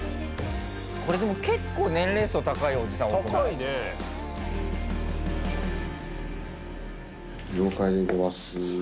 これでも結構年齢層高いおじさん多くない？